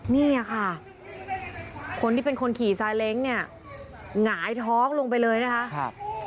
นี่ค่ะคนที่เป็นคนขี่ซาเล้งเนี่ยหงายท้องลงไปเลยนะคะ